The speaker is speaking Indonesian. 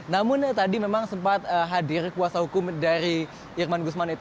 namun tadi memang sempat hadir kuasa hukum dari irman gusman itu